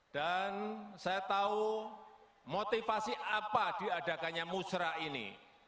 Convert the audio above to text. dan saya tahu motivasi apa diadakannya musrah ini